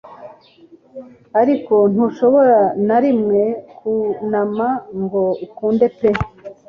Ariko ntushobora na rimwe kunama ngo ukunde pe